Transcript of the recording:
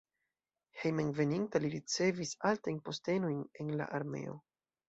Hejmenveninta li ricevis altajn postenojn en la armeo.